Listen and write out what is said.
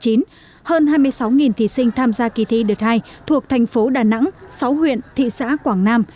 hơn hai mươi sáu thí sinh tham gia kỳ thi đợt hai thuộc thành phố đà nẵng sáu huyện thị xã quảng nam